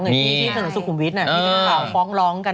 อย่างนี้ที่สนับสุขุมวิทย์น่ะที่เปล่าฟ้องร้องกัน